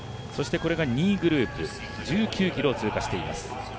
これが２位グループ、１９ｋｍを通過しています。